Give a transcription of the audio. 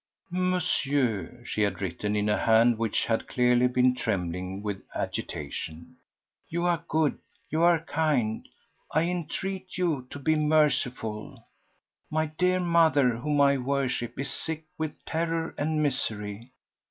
"Monsieur," she had written in a hand which had clearly been trembling with agitation, "you are good, you are kind; I entreat you to be merciful. My dear mother, whom I worship, is sick with terror and misery.